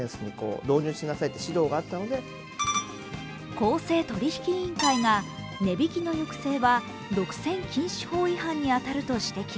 公正取引委員会が値引きの抑制は独占禁止法違反に当たると指摘。